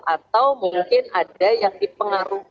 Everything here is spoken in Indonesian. atau mungkin ada yang dipengaruhi